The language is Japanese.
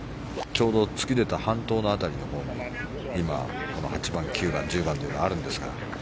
ちょうど突き出た半島の辺りの８番、９番、１０番でもあるんですが。